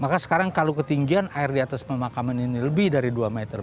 maka sekarang kalau ketinggian air di atas pemakaman ini lebih dari dua meter